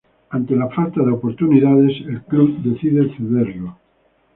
Ante la falta de oportunidades el club decide cederlo.